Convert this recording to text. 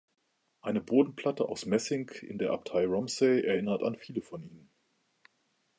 Eine Bodenplatte aus Messing in der Abtei Romsey erinnert an viele von ihnen.